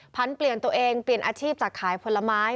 เปลี่ยนตัวเองเปลี่ยนอาชีพจากขายผลไม้